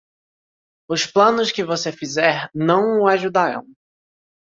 Os planos que você fizer não o ajudarão.